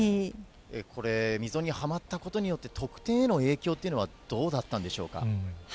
これ、溝にはまったことによって、得点への影響というのはどうだったんでしょうか。